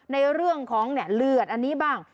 ในเรื่องของเลือดอันนี้บ้าง